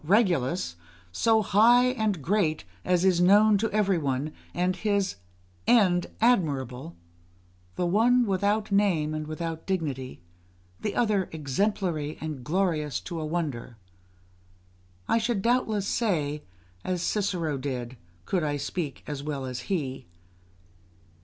Regulus, so great and high as is known to every one, and his end admirable; the one without name and without dignity, the other exemplary and glorious to a wonder. I should doubtless say, as Cicero did, could I speak as well as he.